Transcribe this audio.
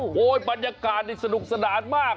โอ้โหบรรยากาศนี่สนุกสนานมาก